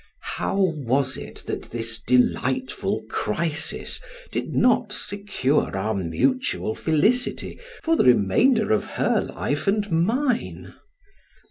How was it that this delightful crisis did not secure our mutual felicity for the remainder of her life and mine?